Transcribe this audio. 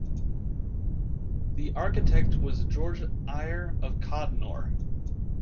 The architect was George Eyre of Codnor.